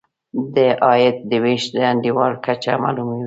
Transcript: د عاید د وېش د انډول کچه معلوموي.